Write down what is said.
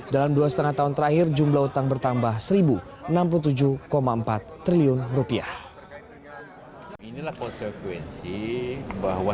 dalam dua lima tahun terakhir jumlah utang bertambah